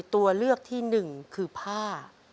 ตัวเลือกที่๑คือผ้า